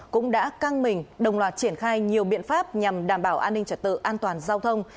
cũng đã căng mình đồng loạt triển khai nhiều biện pháp nhằm đảm bảo an ninh trật tự an toàn giao thông